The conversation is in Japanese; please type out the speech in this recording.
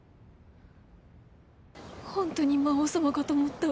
ほんとに魔王様かと思った。